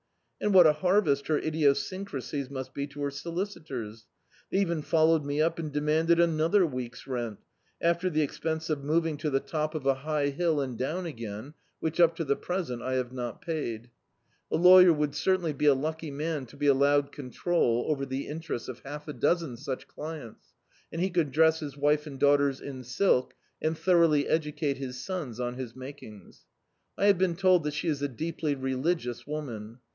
And what a harvest her idiosyncrasies must be to her solicitors. They even followed me up and demanded another week's rent, after the expense of moving to the top of a high Dictzsd by Google The Autobiography of a Super Tramp bill and down again, which, up to the present, I have not paid. A lawyer would certainly be a lucky man to be allowed ccmtrol over the interests of half a dozen such clients, and he could dress his wife and daughters in silk, and thoroughly educate his sons on his makings. I have been told that she is a deeply religious woman.